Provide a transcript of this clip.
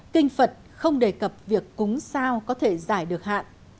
kinh phật không đề cập việc cúng sao có thể giải được hạn